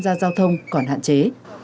để tham gia giao thông còn hạn chế